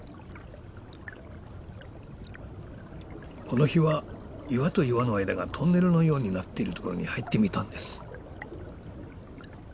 この日は岩と岩の間がトンネルのようになっている所に入ってみたんです。